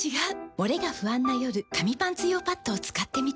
モレが不安な夜紙パンツ用パッドを使ってみた。